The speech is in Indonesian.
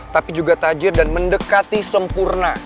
tapi juga tajir dan mendekati sempurna